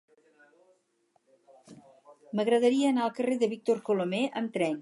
M'agradaria anar al carrer de Víctor Colomer amb tren.